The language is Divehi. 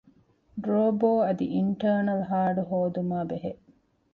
ޑްރޯބޯ އަދި އިންޓާރނަލް ހާޑް ހޯދުމާބެހޭ